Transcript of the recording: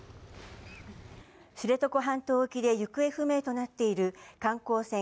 知床半島沖で行方不明となっている観光船